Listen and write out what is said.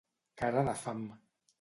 Cara de fam.